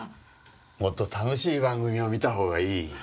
もっと楽しい番組を見たほうがいい。